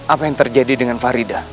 apa yang terjadi dengan farida